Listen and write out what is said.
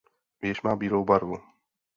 Věž má bílou barvu.